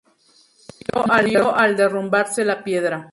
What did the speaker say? Murió al derrumbarse la piedra.